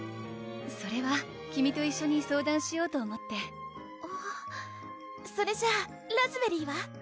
それは君と一緒に相談しようと思ってそれじゃあラズベリーは？